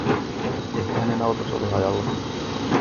Ehkä hänen autonsa oli hajalla?